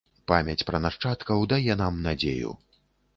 Памяць пра нашчадкаў дае нам надзею.